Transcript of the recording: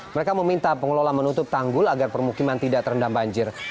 mereka meminta pengelola menutup tanggul agar permukiman tidak terendam banjir